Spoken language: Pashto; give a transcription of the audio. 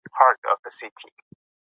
پښتو ژبه به زموږ په دې هڅه کې برکت ولري.